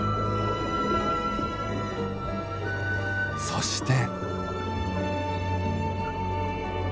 そして。